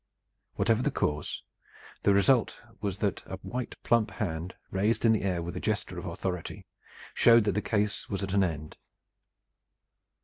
Whatever the cause, the result was that a white plump hand, raised in the air with a gesture of authority, showed that the case was at an end.